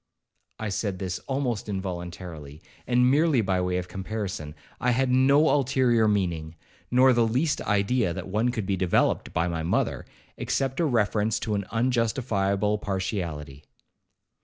I said this almost involuntarily, and merely by way of comparison. I had no ulterior meaning, nor the least idea that one could be developed by my mother, except a reference to an unjustifiable partiality.